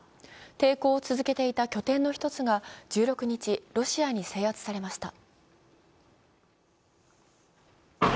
抵抗を続けていた拠点の一つが１６日、ロシアに制圧されました。